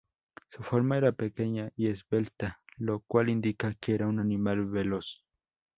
Su forma era pequeña y esbelta lo cual indica que era un animal veloz.